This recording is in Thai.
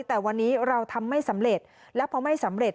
แต่วันนี้เราทำไม่สำเร็จและพอไม่สำเร็จ